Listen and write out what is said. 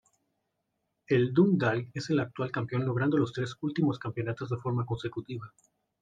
El Dundalk es el actual campeón logrando los tres últimos campeonatos de forma consecutiva.